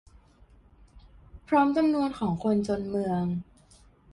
พร้อมจำนวนของคนจนเมือง